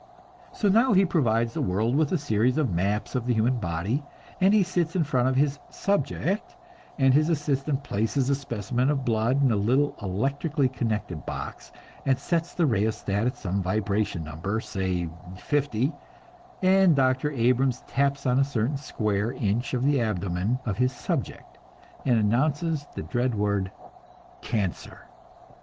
So now he provides the world with a series of maps of the human body; and he sits in front of his "subject," and his assistant places a specimen of blood in a little electrically connected box, and sets the rheostat at some vibration number say fifty and Dr. Abrams taps on a certain square inch of the abdomen of his "subject," and announces the dread word "cancer."